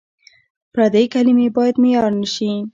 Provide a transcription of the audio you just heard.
پردۍ کلمې باید معیار نه شي.